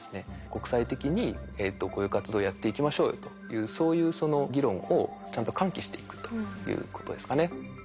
国際的にこういう活動をやっていきましょうよというそういう議論をちゃんと喚起していくということですかね。